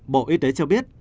bộ y tế cho biết